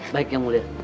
baik yang mulia